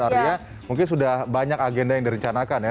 artinya mungkin sudah banyak agenda yang direncanakan ya